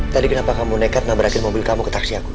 tadi kenapa kamu nekat nabrakin mobil kamu ke taksi aku